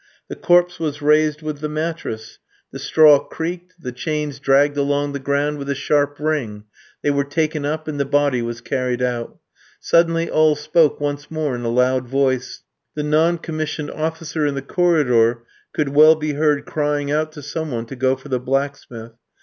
The corpse was raised with the mattress; the straw creaked, the chains dragged along the ground with a sharp ring; they were taken up and the body was carried out. Suddenly all spoke once more in a loud voice. The non commissioned officer in the corridor could well be heard crying out to some one to go for the blacksmith.